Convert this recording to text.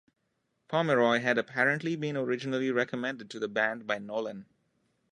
Pomeroy had apparently been originally recommended to the band by Nolan.